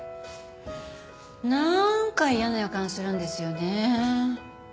なんか嫌な予感するんですよね。